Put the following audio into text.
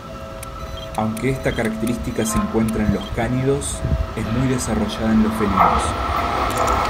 Aunque esta característica se encuentra en los cánidos, es muy desarrollada en los felinos.